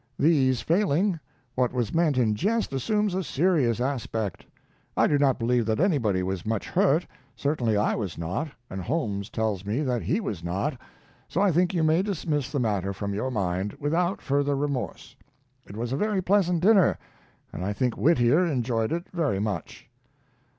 These failing, what was meant in jest assumes a serious aspect. I do not believe that anybody was much hurt. Certainly I was not, and Holmes tells me that he was not. So I think you may dismiss the matter from your mind, without further remorse. It was a very pleasant dinner, and I think Whittier enjoyed it very much.